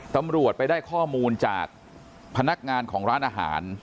ตำรวจไปได้ข้อมูลจากพนักงานของร้านอาหาร